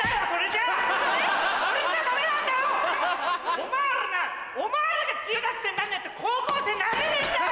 お前らなお前らが中学生になんないと高校生になれねえんだよ！